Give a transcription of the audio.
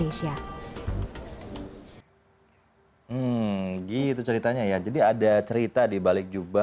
hal ini membuat jubah tersebut menjadi suatu kemampuan